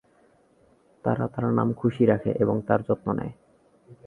তারা তার নাম খুশি রাখে এবং তার যত্ন নেয়।